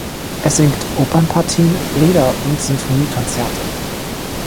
Er singt Opernpartien, Lieder und Sinfoniekonzerte.